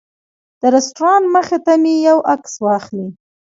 د رسټورانټ مخې ته مې یو عکس واخلي.